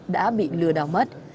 đã bị lừa đảo mất